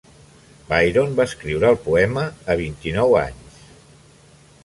Byron va escriure el poema a vint-i-nou anys.